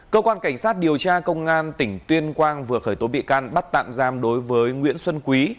cơ quan cảnh sát điều tra công an tỉnh tuyên quang vừa khởi tố bị can bắt tạm giam đối với nguyễn xuân quý